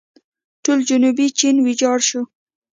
ټول جنوبي چین ویجاړ شو.